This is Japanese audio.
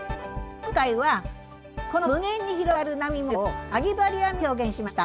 今回はこの無限に広がる波模様をかぎ針編みで表現しました。